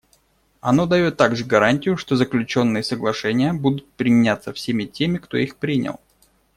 Оно дает также гарантию, что заключенные соглашения будут применяться всеми теми, кто их принял.